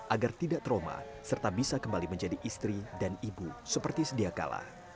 agar tidak trauma serta bisa kembali menjadi istri dan ibu seperti sedia kala